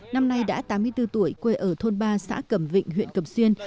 năm nay đã tám mươi bốn tuổi quê ở thôn ba xã cầm vịnh huyện cầm xuyên